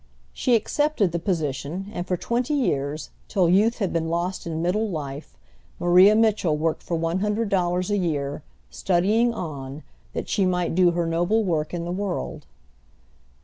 She accepted the position, and for twenty years, till youth had been lost in middle life, Maria Mitchell worked for one hundred dollars a year, studying on, that she might do her noble work in the world.